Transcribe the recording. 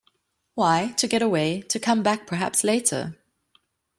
Why, to get away — to come back perhaps later.